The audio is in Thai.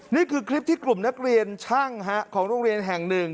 นี่คือคลิปที่กลุ่มนักเรียนช่างของโรงเรียนแห่งหนึ่ง